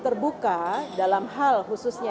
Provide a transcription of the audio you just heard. terbuka dalam hal khususnya